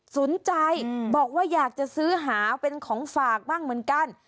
สนใจบอกว่าอยากจะซื้อหาเป็นของฝากบ้างเหมือนกัน